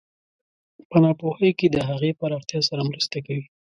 په ناپوهۍ کې د هغې پراختیا سره مرسته کوي.